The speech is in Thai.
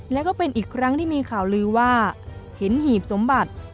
แล้วก็เป็นอีกครั้งที่มีข่าวลือว่าเห็นหีบสมบัติ